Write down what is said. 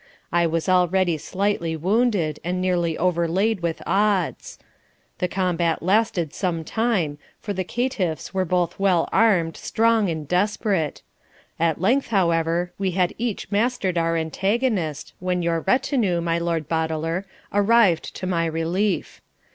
I was already slightly wounded, and nearly overlaid with odds. The combat lasted some time, for the caitiffs were both well armed, strong, and desperate; at length, however, we had each mastered our antagonist, when your retinue, my Lord Boteler, arrived to my relief.